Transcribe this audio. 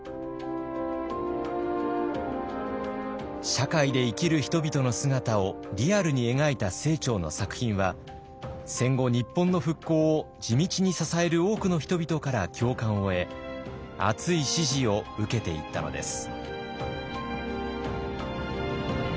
社会で生きる人々の姿をリアルに描いた清張の作品は戦後日本の復興を地道に支える多くの人々から共感を得熱い支持を受けていったのです。